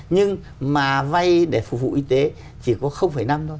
nhưng mà vay để phục vụ y tế chỉ có năm thôi